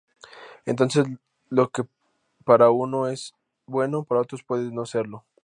Entonces, lo que para unos es bueno, para otros puede no serlo.